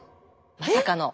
まさかの。